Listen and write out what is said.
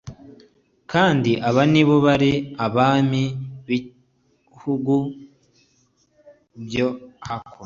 kandi aba ni bo bari abami b'ibihugu byo hakuno